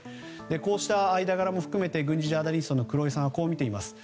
こうした間柄も含めて軍事ジャーナリストの黒井さんはこう見ています。